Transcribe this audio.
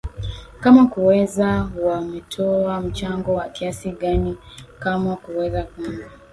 kama kuweza wa wametoa mchango wa kiasi gani kama kuweza kwamba